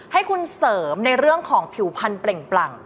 ให้คุณเสริมในเรื่องของผิวพันธุ์เปล่งปลั่ง